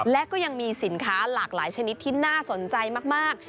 และก็ยังมีสินค้าหลากหลายชนิดที่น่าสนใจมาก